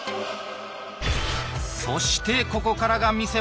そしてここからが見せ場。